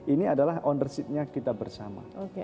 ini adalah ownershipnya kita bersama